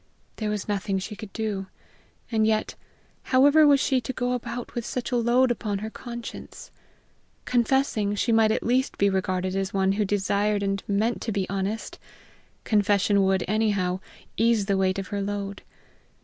There was nothing she could do and yet, however was she to go about with such a load upon her conscience? Confessing, she might at least be regarded as one who desired and meant to be honest. Confession would, anyhow, ease the weight of her load.